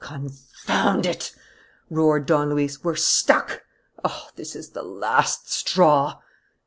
"Confound it!" roared Don Luis. "We're stuck! Oh, this is the last straw!"